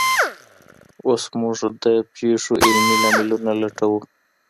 اوس موږ د پیښو علمي لاملونه لټوو.